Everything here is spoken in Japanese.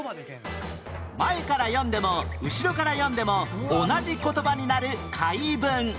前から読んでも後ろから読んでも同じ言葉になる回文